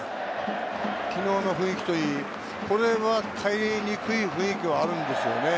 昨日の雰囲気といい、これは代えにくい雰囲気はあるんですよね。